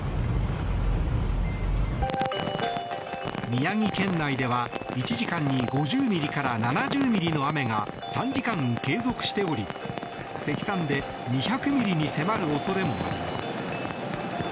宮城県内では１時間に５０ミリから７０ミリの雨が３時間継続しており積算で２００ミリに迫る恐れもあります。